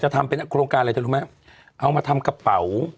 ทำเป็นโครงการอะไรเธอรู้ไหมเอามาทำกระเป๋า